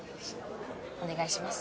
お願いします。